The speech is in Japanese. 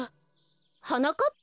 はなかっぱ？